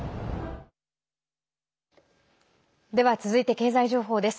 では、続いて経済情報です。